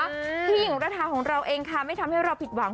พี่หญิงระทาของเราเองค่ะไม่ทำให้เราผิดหวัง